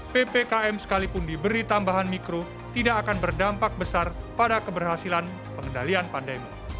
ppkm sekalipun diberi tambahan mikro tidak akan berdampak besar pada keberhasilan pengendalian pandemi